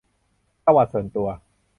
ประวัติส่วนตัว